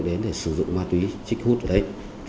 để sử dụng ma túy